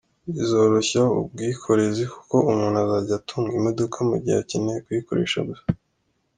Bizoroshya ubwikorezi kuko umuntu azajya atunga imodoka mu gihe akeneye kuyikoresha gusa.